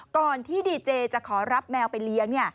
ก่อนที่ดีเจจะขอรับแมวไปเลี้ยง